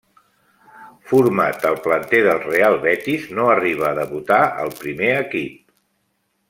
Format al planter del Real Betis, no arriba a debutar al primer equip.